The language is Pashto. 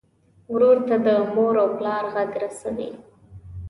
ورور ته د مور او پلار غږ رسوې.